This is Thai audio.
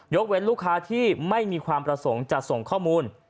เว้นลูกค้าที่ไม่มีความประสงค์จะส่งข้อมูล